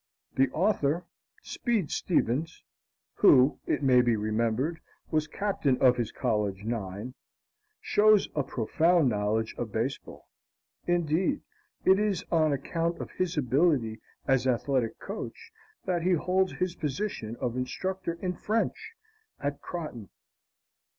The author, Speed Stevens who, it may be remembered, was captain of his college nine, shows a profound knowledge of baseball. Indeed, it is on account of his ability as athletic coach that he holds his position of instructor in French at Croton.